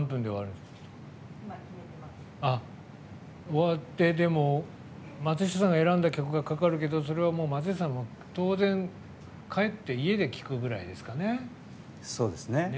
終わってでも松下さんが選んだ曲がかかるけど、それはもう松下さんは当然、帰って家で聴くぐらいですかね。